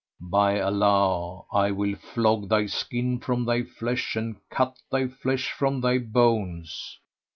By Allah! I will flog thy skin from thy flesh and cut thy flesh from thy bones!"